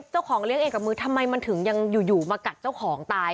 เจ้าของเลี้ยงเองกับมือทำไมมันถึงยังอยู่มากัดเจ้าของตาย